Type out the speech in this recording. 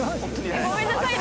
ごめんなさい。